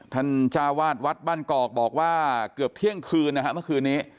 จ้าวาดวัดบ้านกอกบอกว่าเกือบเที่ยงคืนนะฮะเมื่อคืนนี้